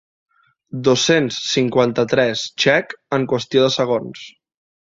Dos-cents cinquanta-tres txec en qüestió de segons.